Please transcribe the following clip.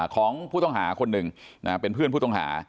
ของผู้ต้องหาคนหนึ่งเป็นเพื่อนผู้ต้องหา